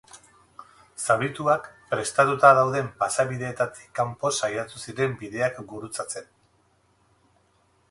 Zaurituak prestatuta dauden pasabideetatik kanpo saiatu ziren bideak gurutzatzen.